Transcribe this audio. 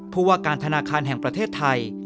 ผู้ว่าการธนาคารแห่งประเทศไทย